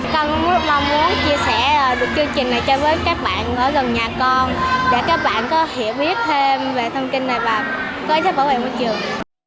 con rất mong muốn chia sẻ được chương trình này cho với các bạn ở gần nhà con để các bạn có hiểu biết thêm về thông tin này và có ý thức bảo vệ môi trường